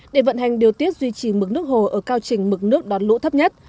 để vận hành điều tiết duy trì mực nước hồ ở cao trình mực nước đón lũ thấp nhất